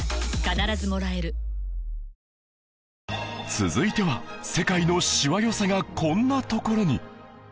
続いては世界のしわ寄せがこんなところに